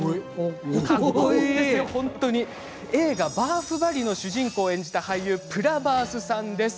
映画「バーフバリ」の主人公を演じた俳優、プラバースさんです。